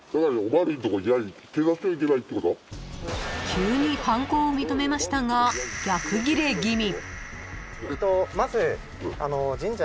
［急に犯行を認めましたが逆ギレ気味］